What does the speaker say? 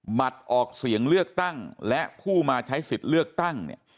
บัตรออกเสียงเลือกตั้งและผู้มาใช้สิทธิ์เลือกตั้งเนี่ย